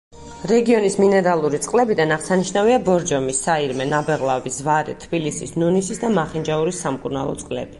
რეგიონის მინერალური წყლებიდან აღსანიშნავია: ბორჯომი, საირმე, ნაბეღლავი, ზვარე; თბილისის, ნუნისის და მახინჯაურის სამკურნალო წყლები.